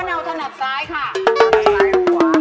เอาตระหนักซ้ายขวา